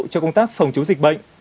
cho công tác phòng chống dịch bệnh